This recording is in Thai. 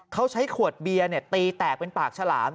เขาใช้ขวดเบียร์ตีแตกเป็นปากฉลาม